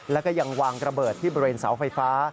แล้วก็ยังวางระเบิดที่บริเวณเสาไฟฟ้า